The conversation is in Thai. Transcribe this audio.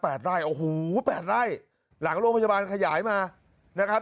ไร่โอ้โหแปดไร่หลังโรงพยาบาลขยายมานะครับ